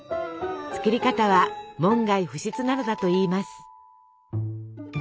作り方は門外不出なのだといいます。